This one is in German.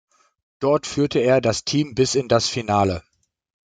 Dort führte er das Team bis in das Finale.